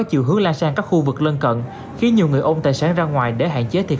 chiều hướng lan sang các khu vực lân cận khiến nhiều người ôm tài sản ra ngoài để hạn chế thiệt